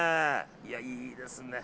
いやいいですね。